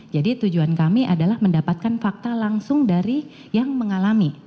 jadi tujuan kami adalah mendapatkan fakta langsung dari yang mengalami